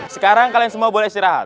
sekarang kalian semua boleh istirahat